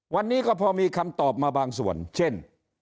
วันนี้ก็พอมีคำตอบมาบางส่วนเช่น